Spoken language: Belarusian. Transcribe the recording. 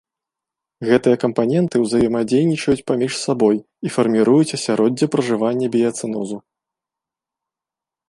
Гэтыя кампаненты ўзаемадзейнічаюць паміж сабой і фарміруюць асяроддзе пражывання біяцэнозу.